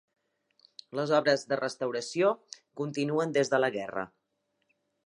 Les obres de restauració continuen des de la guerra.